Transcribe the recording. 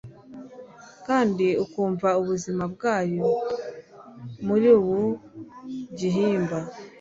Kandi akumva ubuzima bwayo muri buri gihimba